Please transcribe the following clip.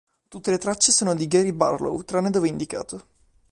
Tutte le tracce sono di Gary Barlow tranne dove indicato.